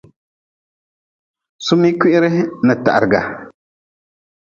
Sumi kwihre n tahrga.